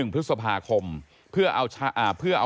พฤษภาคมเพื่อเอา